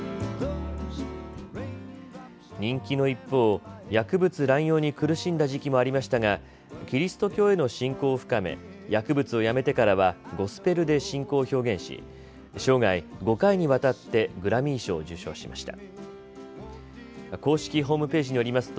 人気の一方、薬物乱用に苦しんだ時期もありましたがキリスト教への信仰を深め薬物をやめてからはゴスペルで信仰を表現し、生涯５回にわたってグラミー賞を受賞しました。